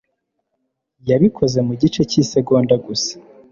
Yabikoze mu gice cy'isegonda gusa.